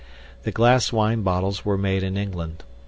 The glass wine bottles were made in England.